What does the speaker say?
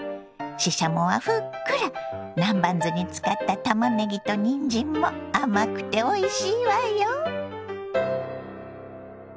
ししゃもはふっくら南蛮酢につかったたまねぎとにんじんも甘くておいしいわよ。